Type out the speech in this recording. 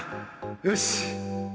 よし！